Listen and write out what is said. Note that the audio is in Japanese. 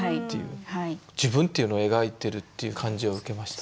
自分っていうのを描いてるっていう感じを受けました。